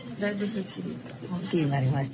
すっきりになりました。